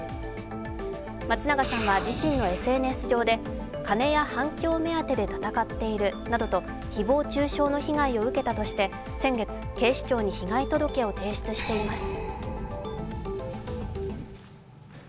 松永さんは自身のＳＮＳ上で、金や反響目当てで戦っているなどと誹謗中傷の被害を受けたとして先月、警視庁に被害届を提出しています。